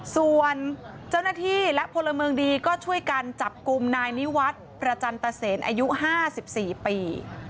ส่วนเจ้าหน้าที่และพลเมืองดีก็ช่วยกันจับกลุ่มนายนิวัฒน์ประจันตเซนอายุ๕๔ปี